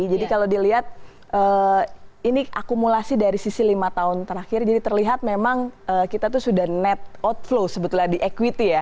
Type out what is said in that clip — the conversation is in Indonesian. jadi kalau dilihat ini akumulasi dari sisi lima tahun terakhir jadi terlihat memang kita tuh sudah net outflow sebetulnya di equity ya